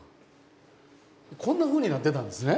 こんなふうになってたんですね。